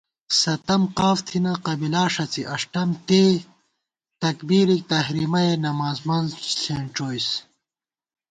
ستم قاف تھنہ قبِلا ݭڅی، اݭٹم تے، تکبیر تحریمَئےنماڅ منز ݪېنڄوئیس